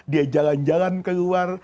dia jalan jalan keluar